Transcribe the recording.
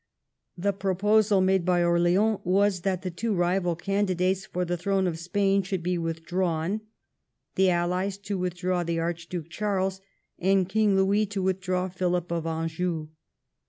The proposal made by Orleans was that the two rival candidates for the throne of Spain should be withdrawn — the Allies to withdraw the Archduke Charles and King Louis to withdraw Philip of Anjou.